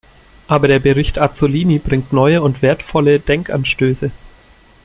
Aber der Bericht Azzolini bringt neue und wertvolle Denkanstöße.